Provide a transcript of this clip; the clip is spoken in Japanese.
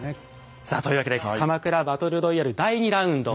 さあというわけで鎌倉バトルロイヤル第２ラウンド。